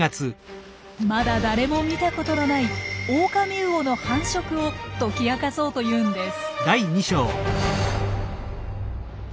まだ誰も見たことのないオオカミウオの繁殖を解き明かそうというんです。